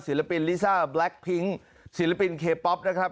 ศิลปินลิซ่าแบล็คพิ้งศิลปินเคป๊อปนะครับ